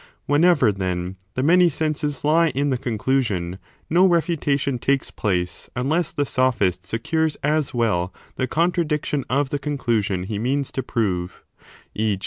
Whenever, then, the many senses lie in the conclusion no refutation takes place unless the sophist secures as well the contradiction of the conclusion he means to prove ; e.